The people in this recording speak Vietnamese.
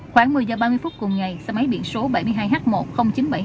khoảng một mươi giờ ba mươi phút cùng ngày xe máy biển số bảy mươi hai h một chín trăm bảy mươi hai năm